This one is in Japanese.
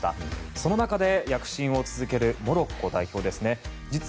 その中で躍進を続けるモロッコ代表ですね。